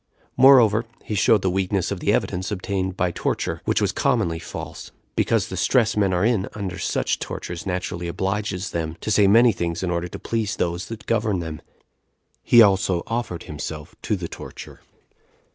Moreover he showed the weakness of the evidence obtained by torture, which was commonly false, because the distress men are in under such tortures naturally obliges them to say many things in order to please those that govern them. He also offered himself to the torture.